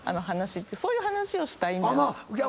そういう話をしたいんじゃ。